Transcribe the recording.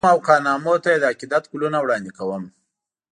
نوم او کارنامو ته یې د عقیدت ګلونه وړاندي کوم